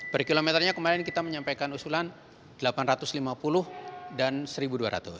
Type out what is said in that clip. per kilometernya kemarin kita menyampaikan usulan rp delapan ratus lima puluh dan rp satu dua ratus